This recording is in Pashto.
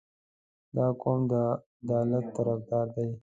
• دا قوم د عدالت طرفدار دی.